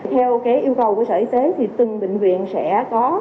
theo yêu cầu của sở y tế từng bệnh viện sẽ có ít nhất một đường